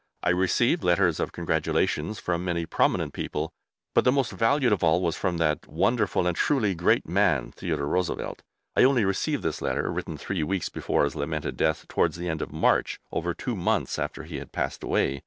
I received letters of congratulations from many prominent people, but the most valued of all was from that wonderful and truly great man, Theodore Roosevelt. I only received this letter, written three weeks before his lamented death, towards the end of March over two months after he had passed away.